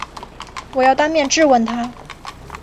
我要当面质问他